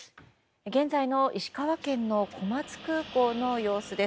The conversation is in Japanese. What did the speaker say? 現在の石川県の小松空港の様子です。